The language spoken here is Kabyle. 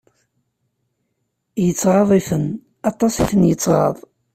Yettɣaḍ-iten, aṭas i ten-yettɣaḍ.